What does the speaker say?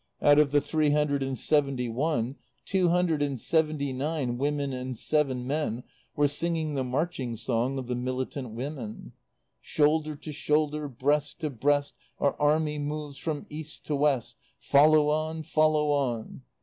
Out of the three hundred and seventy one, two hundred and seventy nine women and seven men were singing the Marching Song of the Militant Women. Shoulder to shoulder, breast to breast, Our army moves from east to west. Follow on! Follow on!